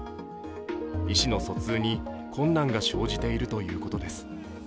意思の疎通に困難が生じているということです。